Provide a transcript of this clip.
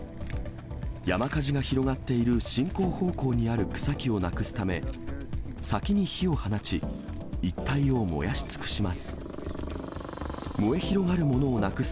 山火事が広がっている進行方向にある草木をなくすため、先に火を放ち、一帯を燃やし尽くします。